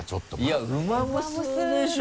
いや「うまむす」でしょ。